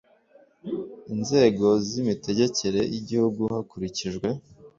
inzego z imitegekere y igihugu hakurikijwe